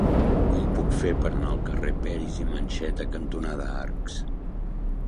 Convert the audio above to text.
Com ho puc fer per anar al carrer Peris i Mencheta cantonada Arcs?